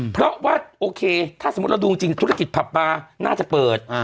เพราะว่าโอเคถ้าสมมุติเราดูจริงธุรกิจผับบาร์น่าจะเปิด